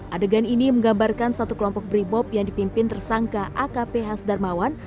adegan ini menggambarkan satu kelompok brimob yang dipimpin tersangka akp hasdarmawan